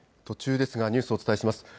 途中ですがニュースをお伝えします。